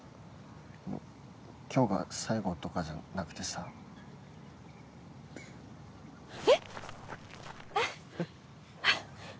今日が最後とかじゃなくてさえっ！？えっ？えっ